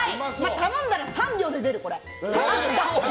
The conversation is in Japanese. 頼んだら３秒で出る、これ。